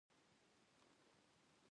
چاکلېټ د مور له لاسه خوند لري.